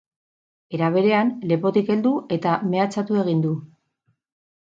Era berean, lepotik heldu eta mehatxatu egin du.